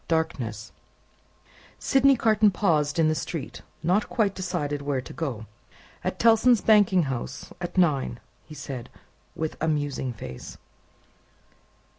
Darkness Sydney Carton paused in the street, not quite decided where to go. "At Tellson's banking house at nine," he said, with a musing face.